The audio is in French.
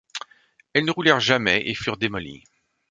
Elles ne roulèrent jamais et furent démolies.